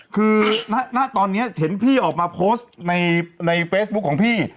คือณตอนนี้เห็นพี่ออกมาโพสต์ในเฟซบุ๊คของพี่